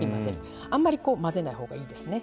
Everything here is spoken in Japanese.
あんまり混ぜない方がいいですね。